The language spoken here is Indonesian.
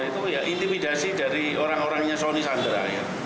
itu ya intimidasi dari orang orangnya sony sandra